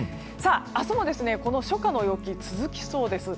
明日も初夏の陽気が続きそうです。